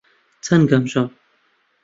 چەند گەمژەم!